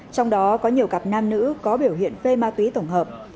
trong đó có nhiều cặp nam nữ có biểu hiện phê ma túy tổng hợp